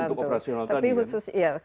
untuk operasional tadi kan